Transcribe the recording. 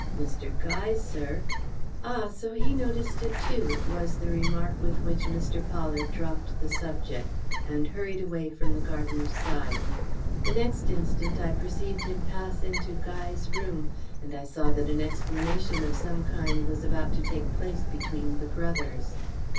"Mr. Guy, sir." "Ah, so he noticed it too!" was the remark with which Mr. Pollard dropped the subject, and hurried away from the gardener's side. The next instant I perceived him pass into Guy's room, and I saw that an explanation of some kind was about to take place between the brothers.